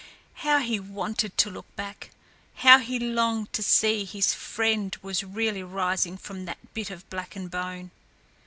How he wanted to look back! How he longed to see if his friend was really rising from that bit of blackened bone!